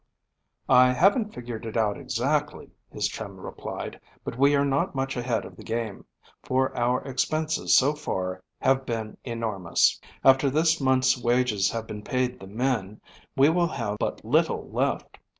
"I haven't figured it out exactly," his chum replied, "but we are not much ahead of the game, for our expenses so far have been enormous. After this month's wages have been paid the men we will have but little left.